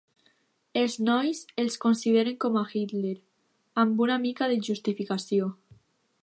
Els nois el consideren com a Hitler, amb una mica de justificació.